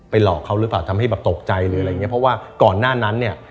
หลอกเขาหรือเปล่าทำให้แบบตกใจหรืออะไรอย่างเงี้เพราะว่าก่อนหน้านั้นเนี่ย